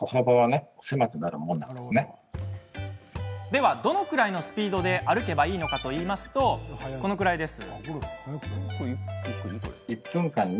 では、どのくらいのスピードで歩けばいいのかというとこのくらいです。